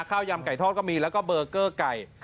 ยำไก่ทอดก็มีแล้วก็เบอร์เกอร์ไก่